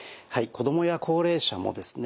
子どもや高齢者もですね